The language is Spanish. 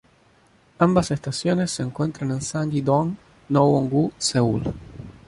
Ambas estaciones se encuentran en Sanggye-dong, Nowon-gu, Seúl.